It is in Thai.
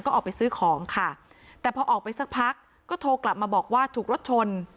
ก็ออกไปซื้อของค่ะแต่พอออกไปสักพักก็โทรกลับมาบอกว่าถูกรถชน